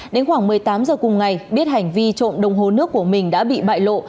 đến khoảng một mươi tám h cùng ngày biết hành vi trộm đồng hồ nước của mình đã bị bại lộ